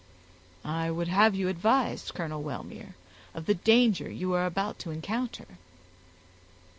"I would have you advised, Colonel Wellmere, of the danger you are about to encounter."